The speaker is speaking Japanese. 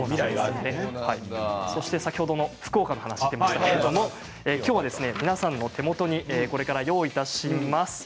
そして先ほどの福岡の話が出ましたけれども、きょうは皆さんの手元にこれから用意いたします。